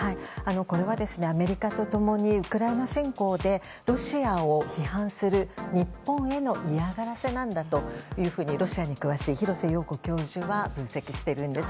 これはアメリカと共にウクライナ侵攻でロシアを批判する日本への嫌がらせなんだとロシアに詳しい廣瀬陽子教授は分析しているんです。